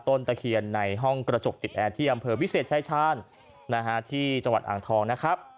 ต้นตะเคียนในห้องกระจกติดแอเธียมบิเศษใช้ชาติฮะที่จังหวัดอ่างทองนะครับ